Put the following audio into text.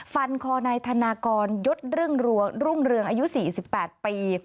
ฟันคอในธนากรยศรึ่งเรืองอายุ๔๘ปี